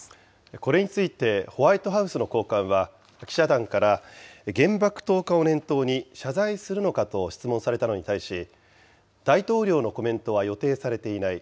これについてホワイトハウスの高官は、記者団から、原爆投下を念頭に、謝罪するのかと質問されたのに対し、大統領のコメントは予定されていない。